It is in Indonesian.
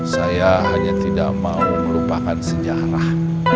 saya hanya tidak mau melupakan sejarah